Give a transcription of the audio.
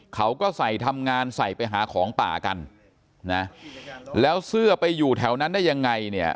เขาก็ใส่ทำงานใส่ไปหาของป่ากันนะแล้วเสื้อไปอยู่แถวนั้นได้ยังไงเนี่ย